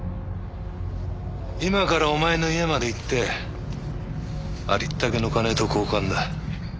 今からお前の家まで行ってありったけの金と交換だ。